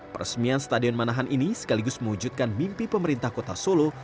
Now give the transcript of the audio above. peresmian stadion manahan ini sekaligus mewujudkan mimpi pemerintah kota solo